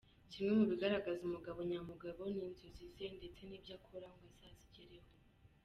Kimwe mu bigaragaza umugabo nyamugabo, ni inzozi ze ndetse n’ibyo akora ngo azazigereho.